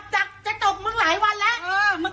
จะตบมึงหลายวันแล้ว